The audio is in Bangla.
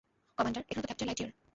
কমান্ডার, এখানে তো ক্যাপ্টেন লাইটইয়ার।